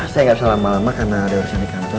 saya nggak usah lama lama karena ada urusan di kantor